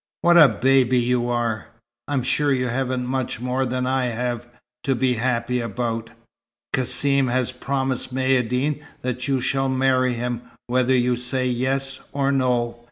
"What a baby you are! I'm sure you haven't much more than I have, to be happy about. Cassim has promised Maïeddine that you shall marry him, whether you say 'yes' or 'no'.